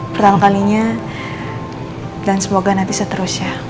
pertama kalinya dan semoga nanti seterusnya